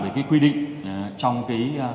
về cái quy định